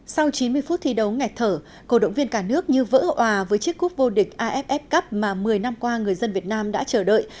sau chín mươi phút thi đấu nghẹt thở cổ động viên cả nước như vỡ hòa với chiếc cúp vô địch aff cup mà một mươi năm qua người dân việt nam đã chờ đợi